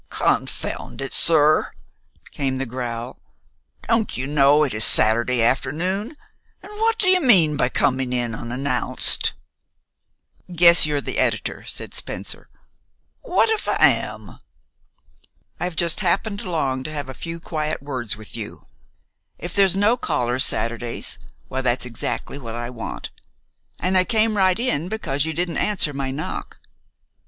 "Confound it, sir!" came the growl, "don't you know it is Saturday afternoon? And what do you mean by coming in unannounced?" "Guess you're the editor?" said Spencer. "What if I am?" "I've just happened along to have a few quiet words with you. If there's no callers Saturdays, why, that's exactly what I want, and I came right in because you didn't answer my knock."